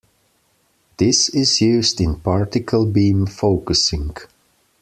This is used in particle beam focusing.